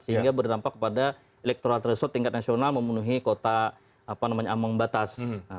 sehingga berdampak pada elektro atresur tingkat nasional memenuhi kota amang batas